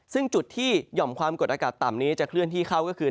ซึ่งจุดที่หย่อมความกดอากาศต่ำนี้จะเคลื่อนที่เข้าก็คือ